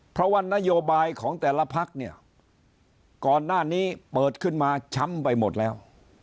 เพราะว่านโยบายของแต่ละพักเนี่ยก่อนหน้านี้เปิดขึ้นมาช้ำไปหมดแล้ว